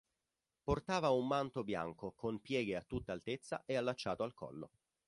Portava un manto bianco, con pieghe a tutt'altezza e allacciato al collo.